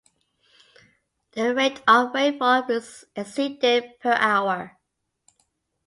The rate of rainfall exceeded per hour.